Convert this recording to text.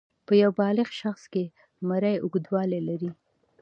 په یو بالغ شخص کې مرۍ اوږدوالی لري.